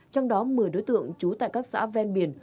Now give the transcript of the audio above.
trong đó một mươi đối tượng trú tại các xã ven biển